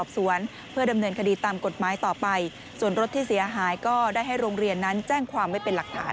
ส่วนรถที่เสียหายก็ได้ให้โรงเรียนนั้นแจ้งความไม่เป็นหลักฐาน